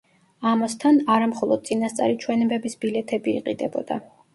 ამასთან, არა მხოლოდ წინასწარი ჩვენებების ბილეთები იყიდებოდა.